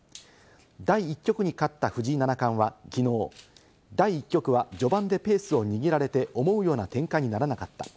第１局に勝った藤井七冠はきのう、第１局は序盤でペースを握られて、思うような展開にならなかった。